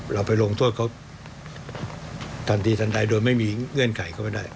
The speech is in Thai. เราไปลงโทษเขาทันทีทันใดโดยไม่มีเงื่อนไขเข้าไปได้